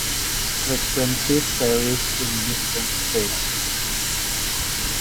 Frequency varies in different states.